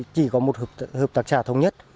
chỉ có một hợp tác xã thống nhất